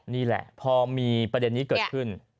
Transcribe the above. นี่แหละพอมีประเด็นนี้เกิดขึ้น